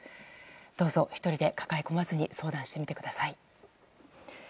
どうぞ、１人で抱え込まずに相談してみてください。